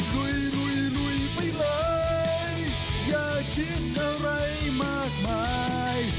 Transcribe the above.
ลุยไปเลยอย่าคิดอะไรมากมาย